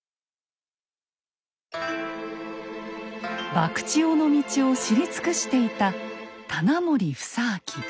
博打尾の道を知り尽くしていた棚守房顕。